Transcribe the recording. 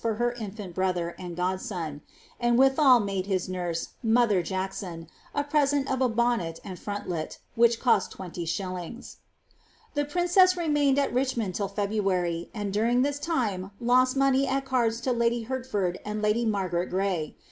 for her infant brother and godson; and withal made his nurse, mother Jackson, a present of a ixMinet and frontlet, which cost 20*. The princess remained at Richmond till February, and during this time lost monev at cards to ladv Hertford and ladv Mar^ret Gray.